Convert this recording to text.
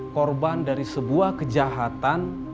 korban dari sebuah kejahatan